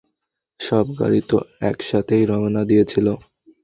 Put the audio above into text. সব গাড়ি তো, এক সাথেই রওনা দিয়েছিলো।